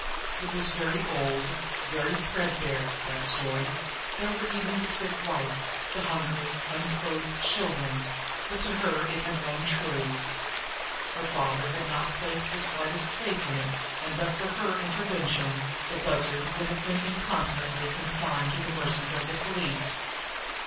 It was very old, very threadbare, that story; there were even the sick wife, the hungry, unclothed children; but to her it had rung true. Her father had not placed the slightest faith in it, and but for her intervention the Bussard would have been incontinently consigned to the mercies of the police.